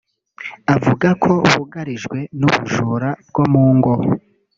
avuga ko bugarijwe n’ubujura bwo mu ngo